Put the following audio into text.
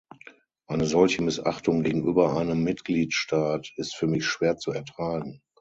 Eine solche Missachtung gegenüber einem Mitgliedstaat ist für mich schwer zu ertragen.